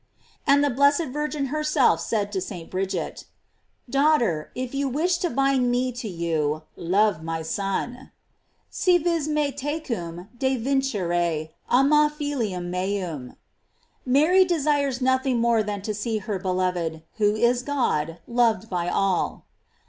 And the blessed Virgin herself said to St. Brid get: Daughter, if you wish to bind me to you, love my Son; "Si vis me tecum devincire, ama filium meum." Mary desires nothing more than to see her beloved, who is God, loved by all.